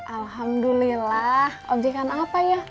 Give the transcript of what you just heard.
alhamdulillah objekan apa ya